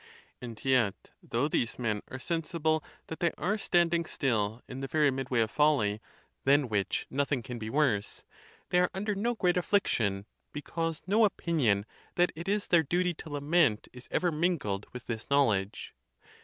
And yet, though these men are sensible that they are standing still in the very mid way of folly, than which nothing can be worse, they are under no great affliction, because no opinion that it is their duty to lament is ever mingled with this knowledge.